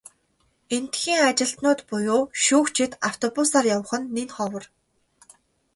Эндэхийн ажилтнууд буюу шүүгчид автобусаар явах нь нэн ховор.